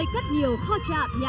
không một ai